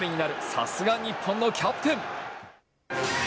さすが日本のキャプテン。